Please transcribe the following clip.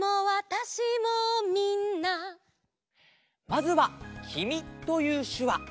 まずは「きみ」というしゅわ。